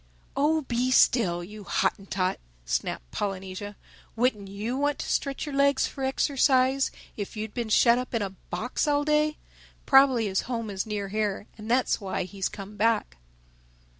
"Oh, be still, you Hottentot!" snapped Polynesia. "Wouldn't you want to stretch your legs for exercise if you'd been shut up in a box all day. Probably his home is near here, and that's why he's come back."